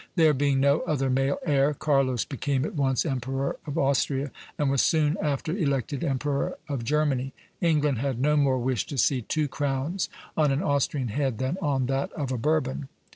There being no other male heir, Carlos became at once emperor of Austria, and was soon after elected emperor of Germany. England had no more wish to see two crowns on an Austrian head than on that of a Bourbon.